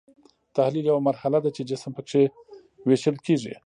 تحلیل یوه مرحله ده چې جسم پکې ویشل کیږي.